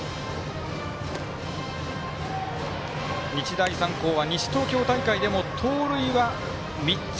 日大三高は西東京大会でも盗塁は３つ。